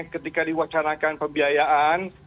ketika diwacarakan pembiayaan